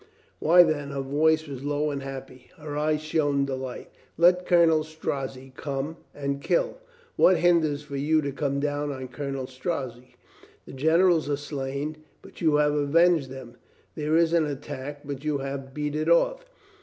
"Why, then," her voice was low and happy, her eyes shone delight. "Let Colonel Strozzi come and kill. What hinders for you to come down on Colonel Strozzi? The generals are slain, but you have avenged them. There is an attack, but you have beat it off.